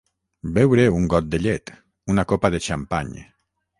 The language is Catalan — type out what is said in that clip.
Beure un got de llet, una copa de xampany.